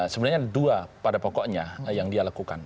sebenarnya ada dua pada pokoknya yang dia lakukan